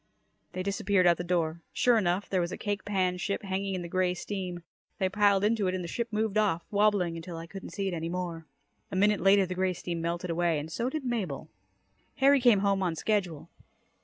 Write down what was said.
They disappeared out the door. Sure enough, there was a cake pan ship hanging in the grey steam. They piled into it and the ship moved off, wobbling, until I couldn't see it any more. A minute later, the grey steam melted away and so did Mabel. Harry came home on schedule.